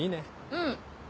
うん。